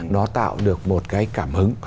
nó tạo được một cái cảm hứng